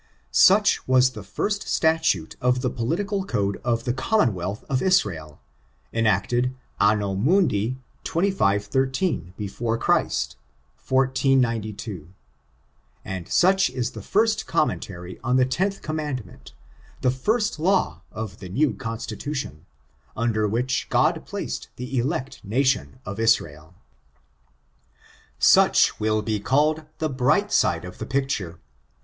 Such was the first statute of the political code of the commonwealth of Israel, enacted Anno Mundi 2513; be^ire Christ, 1492. And such is the first commentary on the tenth commandment — the first law of the new constitution, under which God placed the elect nation of IsraeL Such will be called the bright side of the picture.